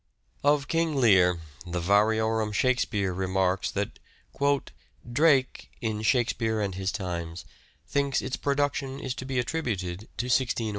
Of "King Lear," the"Variorum Shakespeare" remarks that " Drake (in ' Shakespeare and his Times ') thinks its production is to be attributed to 1604. ...